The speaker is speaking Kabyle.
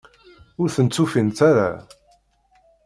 Ur tent-ufint ara?